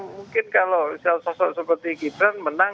mungkin kalau sosok seperti gibran menang